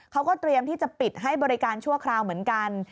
เขาก็เตรียมที่จะปิดให้บริการชั่วคราวเหมือนกัน